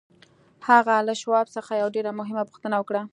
هغه له شواب څخه یوه ډېره مهمه پوښتنه وکړه